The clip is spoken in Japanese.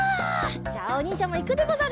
じゃあおにんじゃもいくでござる。